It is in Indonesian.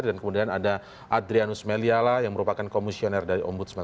dan kemudian ada adrianus meliala yang merupakan komisioner dari ombudsman